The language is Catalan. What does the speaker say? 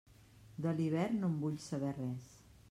De l'hivern no en vull saber res.